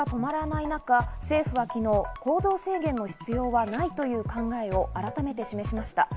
感染拡大が止まらない中、政府は昨日、行動制限の必要はないという考えを改めて示しました。